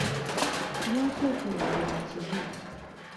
Lwaki okuwoolera kibi?